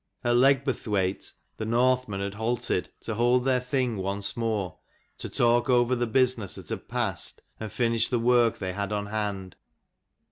At Legburthwaite the Northmen had halted, to hold their Thing once more, to talk over the business that had passed, and finish the work they had on hand.